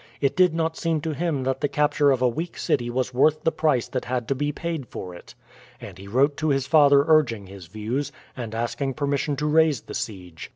It did not seem to him that the capture of a weak city was worth the price that had to be paid for it, and he wrote to his father urging his views, and asking permission to raise the siege.